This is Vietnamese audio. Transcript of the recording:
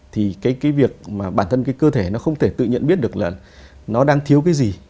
thì cái việc mà bản thân cái cơ thể nó không thể tự nhận biết được là nó đang thiếu cái gì